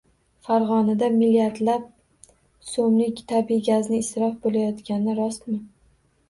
Farg‘onada milliardlab so‘mlik tabiiy gazning isrof bo‘layotgani rostmi?